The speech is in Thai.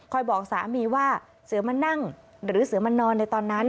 บอกสามีว่าเสือมันนั่งหรือเสือมันนอนในตอนนั้น